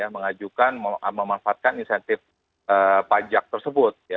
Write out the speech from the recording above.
mengajukan memanfaatkan insentif pajak tersebut